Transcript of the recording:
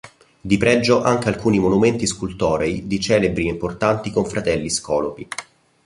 Di pregio anche alcuni monumenti scultorei di celebri e importati confratelli scolopi.